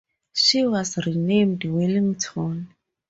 She was renamed "Wellington".